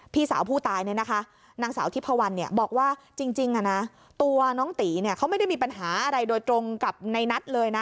พี่สาวผู้ตายเนี่ยนะคะนางสาวทิพวันบอกว่าจริงตัวน้องตีเขาไม่ได้มีปัญหาอะไรโดยตรงกับในนัทเลยนะ